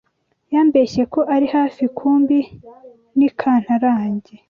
Yambeshye ko ari hafi kumbi n’ ikantarange